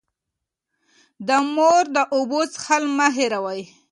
د مور د اوبو څښل مه هېروئ.